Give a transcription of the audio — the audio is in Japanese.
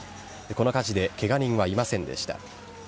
この火事でけが人はいませんでした。